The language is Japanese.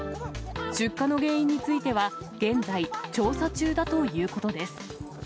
出火の原因については、現在、調査中だということです。